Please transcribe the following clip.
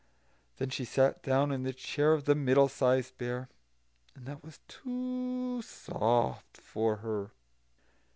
And then she sat down in the chair of the Middle sized Bear, and that was too soft for her.